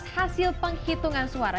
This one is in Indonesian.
hasil penghitungan suara